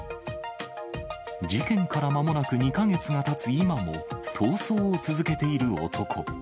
事件からまもなく２か月がたつ今も、逃走を続けている男。